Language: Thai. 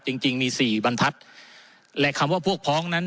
จริงจริงมีสี่บรรทัศน์และคำว่าพวกพ้องนั้น